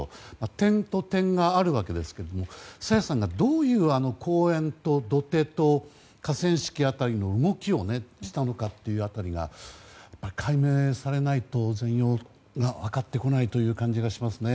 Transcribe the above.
点と点があるわけですけども朝芽さんがどういう公園と土手と河川敷辺りの動きをしたのかが解明されないと全容が分かってこない感じがしますね。